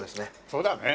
そうだね。